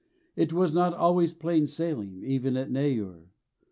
It was not always plain sailing, even at Neyoor.